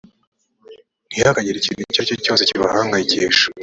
ntihakagire ikintu icyo ari cyo cyose kibahangayikisha